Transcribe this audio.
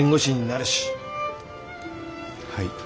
はい。